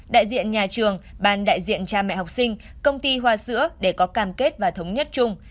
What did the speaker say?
đại diện nhà trường ban đại diện cha mẹ học sinh công ty hoa sữa để có cam kết và thống nhất chung